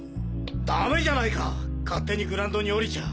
ダメじゃないか勝手にグラウンドに降りちゃ！